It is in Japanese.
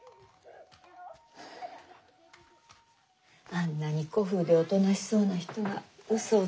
あんなに古風でおとなしそうな人が嘘をつくかしら。